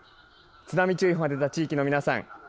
津波注意報がでた地域の皆さん